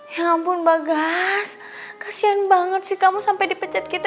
ya ampun bagas kasihan banget sih kamu sampai dipecat kita